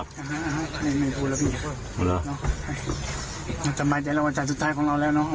อ่าไม่ไม่พูดแล้วพี่หรอจำไปใจแล้ววันจำสุดท้ายของเราแล้วเนอะ